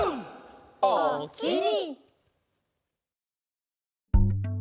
「おおきに」